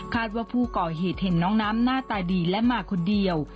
ว่าผู้ก่อเหตุเห็นน้องน้ำหน้าตาดีและมาคนเดียว